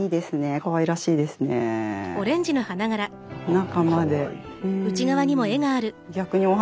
中まで。